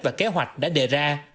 và kế hoạch đã đề ra